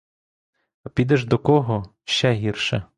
А підеш до кого — ще гірше.